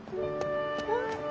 うん？